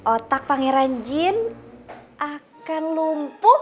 otak pangeran jin akan lumpuh